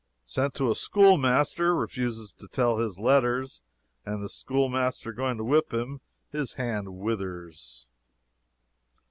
"Sent to a schoolmaster, refuses to tell his letters, and the schoolmaster going to whip him, his hand withers."